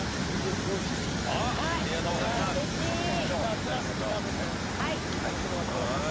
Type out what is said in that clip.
夏らしく食べていっていただければと思います。